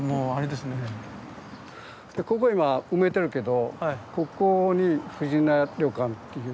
でここ今埋めてるけどここに藤乃屋旅館っていう。